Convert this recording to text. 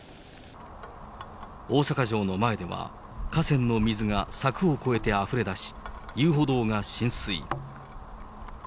大阪城の前では、河川の水が柵を越えてあふれ出し、遊歩道が浸水。